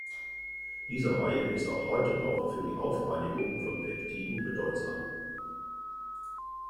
Diese Reihe ist auch heute noch für die Aufreinigung von Peptiden bedeutsam.